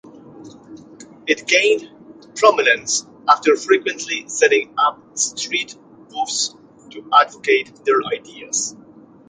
It gained prominence after frequently setting up street booths to advocate their ideas.